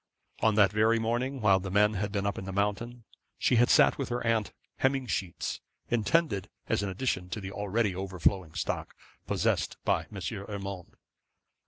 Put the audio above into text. On that very morning, while the men had been up in the mountain, she had sat with her aunt hemming sheets; intended as an addition to the already overflowing stock possessed by M. Urmand.